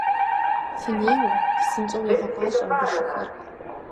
Фынеуэ, псынщӀэу, егъэпӀащӀэ абы шыхэр.